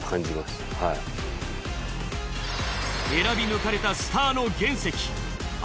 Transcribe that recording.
選び抜かれたスターの原石。